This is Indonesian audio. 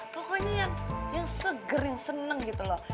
pokoknya yang seger yang seneng gitu loh